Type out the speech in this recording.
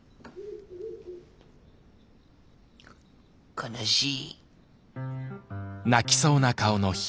悲しい。